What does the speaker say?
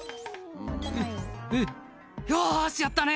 「うっうっよしやったね」